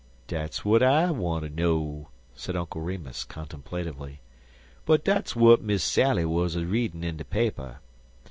"Dat's w'at I wanter know," said Uncle Remus, contemplatively. "But dat's w'at Miss Sally wuz a readin' in de paper.